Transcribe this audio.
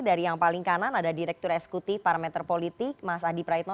dari yang paling kanan ada direktur eskuti parameter politik mas adi praitno